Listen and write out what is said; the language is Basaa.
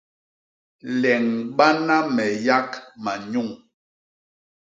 Leñbana me yak manyuñ.